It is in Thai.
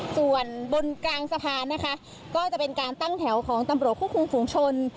ส่วนบนกลางสะพานนะคะก็จะเป็นการตั้งแถวของตำรวจควบคุมฝุงชน